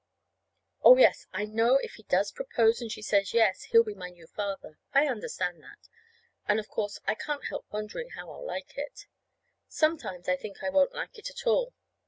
Oh, yes, I know if he does propose and she says yes, he'll be my new father. I understand that. And, of course, I can't help wondering how I'll like it. Sometimes I think I won't like it at all.